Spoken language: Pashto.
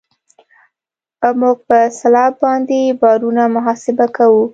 موږ په سلب باندې بارونه محاسبه کوو